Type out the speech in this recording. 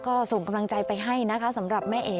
ก็ส่งกำลังใจไปให้นะคะสำหรับแม่เอ๋